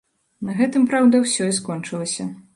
На гэтым, праўда, усё і скончылася.